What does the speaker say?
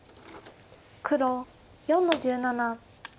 黒４の十七。